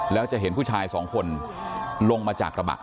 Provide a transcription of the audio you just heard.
แล้วจะเห็นผู้ชายสองคนลงมาจากกระบะ